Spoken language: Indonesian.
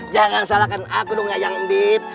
jangan salahkan aku dong ya yang mbib